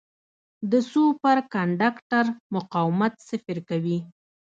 د سوپر کنډکټر مقاومت صفر کوي.